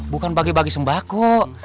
bukan bagi bagi sembako